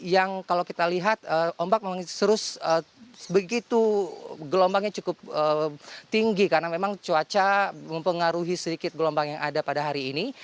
yang kalau kita lihat ombak memang terus begitu gelombangnya cukup tinggi karena memang cuaca mempengaruhi sedikit gelombang yang ada pada hari ini